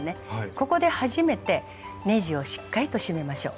ここで初めてネジをしっかりと締めましょう。